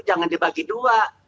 jangan dibagi dua